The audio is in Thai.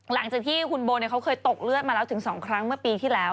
หลังจากที่คุณโบเขาเคยตกเลือดมาแล้วถึง๒ครั้งเมื่อปีที่แล้ว